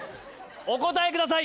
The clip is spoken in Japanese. お答えください。